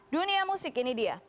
dunia musik ini dia